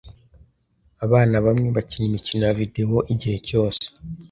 Abana bamwe bakina imikino ya videwo igihe cyose.